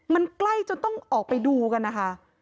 มันใกล้จนต้องออกไปดูกันนะคะ